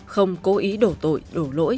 không cố ý đổ tội đổ lỗi